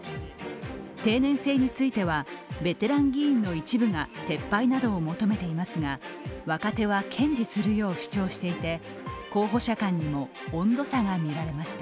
定年制についてはベテラン議員の一部が撤廃などを求めていますが、若手は堅持するよう主張していて候補者間にも温度差が見られました。